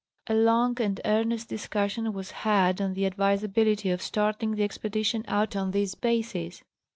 A long and earnest discussion was had on ¢he advisability of starting the expedition out on this basis.